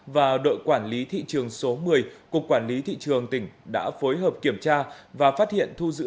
và đội quản lý thị trường số một mươi cục quản lý thị trường tỉnh đã phối hợp kiểm tra và phát hiện thu giữ